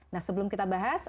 nah sebelum kita bahas